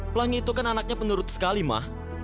pelangi itu kan anaknya penurut sekali mah